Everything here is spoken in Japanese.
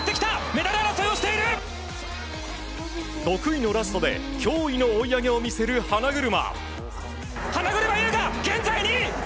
得意のラストで驚異の追い上げを見せる花車。